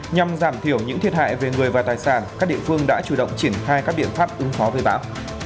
nhằm giảm thiểu những thiệt hại về người và tài sản các địa phương đã chủ động triển khai các biện pháp ứng phó với bão